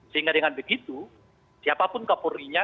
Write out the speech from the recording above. sehingga dengan begitu siapapun kapolrinya